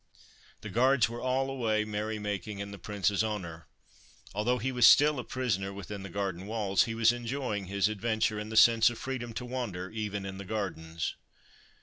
The guards were all away merry making in the Prince's honour. Although he was still a prisoner within the garden walls, he was enjoying his adventure and the sense of freedom to wander, even in the gardens.